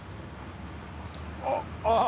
あっあぁ